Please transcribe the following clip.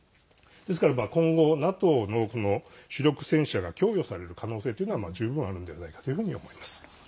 ですから今後ＮＡＴＯの主力戦車が供与される可能性というのは十分あるんではないかというふうに思います。